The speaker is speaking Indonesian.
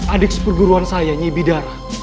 adik sepulguruan saya nyibi dara